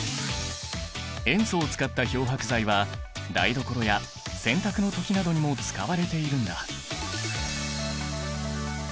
塩素を使った漂白剤は台所や洗濯の時などにも使われているんだ。